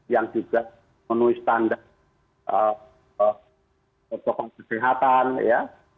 yang juga menulis tanda protokol kesehatan ya